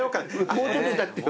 もうちょっと歌ってよ。